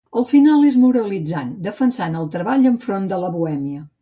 El final és moralitzant, defensant el treball enfront de la bohèmia.